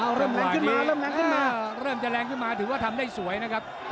เอาเริ่มแรงขึ้นมาเริ่มแรงขึ้นมาเริ่มจะแรงขึ้นมาถือว่าทำได้สวยนะครับ